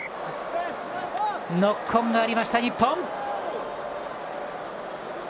ノックオンがありました、日本。